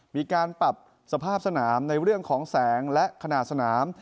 มีการปรับสภาพสนามในเรื่องของแสงและขนาดสนาม